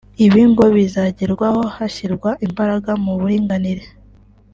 Ibi ngo bizagerwaho hashyirwa imbaraga mu buringanire